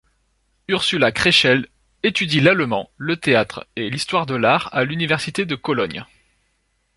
Ursula Krechel étudie l’allemand, le théâtre et l'histoire de l’art à l'université de Cologne.